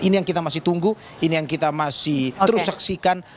ini yang kita masih tunggu ini yang kita masih terus saksikan